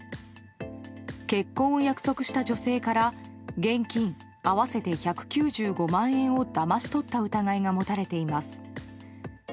結婚を約束した女性から現金合わせて１９５万円をだまし取った疑いが持たれています。